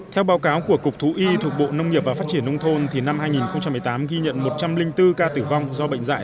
theo báo cáo của cục thú y thuộc bộ nông nghiệp và phát triển nông thôn năm hai nghìn một mươi tám ghi nhận một trăm linh bốn ca tử vong do bệnh dạy